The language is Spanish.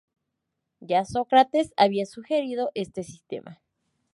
Ya Sócrates había sugerido este sistema.